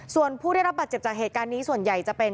ส่วนผู้ได้รับบาดเจ็บจากเหตุการณ์นี้ส่วนใหญ่จะเป็น